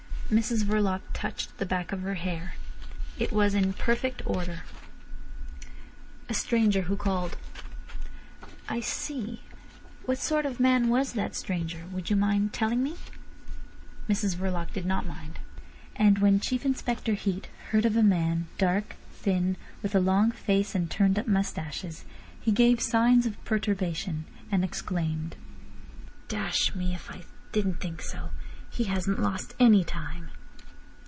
Mrs Verloc touched the back of her hair. It was in perfect order. "A stranger who called." "I see. What sort of man was that stranger? Would you mind telling me?" Mrs Verloc did not mind. And when Chief Inspector Heat heard of a man dark, thin, with a long face and turned up moustaches, he gave signs of perturbation, and exclaimed: "Dash me if I didn't think so! He hasn't lost any time."